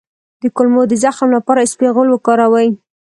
د کولمو د زخم لپاره اسپغول وکاروئ